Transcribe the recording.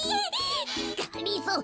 がりぞー